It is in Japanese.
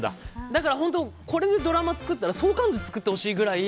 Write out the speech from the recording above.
だから本当にこれでドラマ作ったら相関図を作ってほしいぐらい。